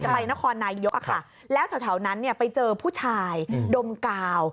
ไปนครนายกแล้วแถวนั้นไปเจอผู้ชายดมกล่าว